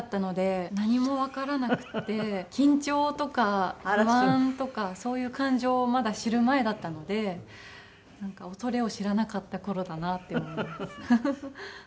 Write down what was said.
何もわからなくて緊張とか不安とかそういう感情をまだ知る前だったので恐れを知らなかった頃だなって思います。